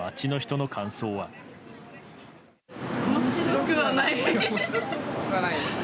おもしろくはないよね。